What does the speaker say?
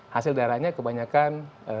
hasil darahnya kebanyakan